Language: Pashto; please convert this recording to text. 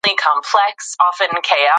د هګۍ خوړل د نورو خوړو جذب زیاتوي.